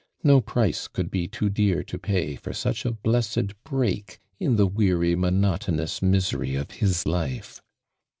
No price could be too dear to pay for such a blessed Vireak in the weary, monotonous misery of his life